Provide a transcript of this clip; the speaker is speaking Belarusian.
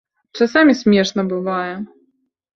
А часамі смешна бывае.